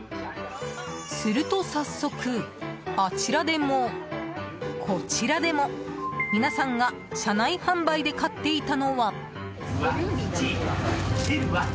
すると早速あちらでもこちらでも皆さんが車内販売で買っていたのは。